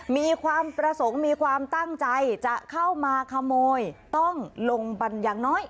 มีความประสงค์มีความตั้งใจจะเข้ามาขโมยต้องลงบันอย่างน้อย